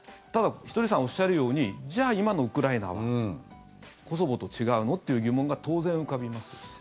ただひとりさんがおっしゃるようにじゃあ、今のウクライナはコソボと違うの？という疑問が当然浮かびますよね。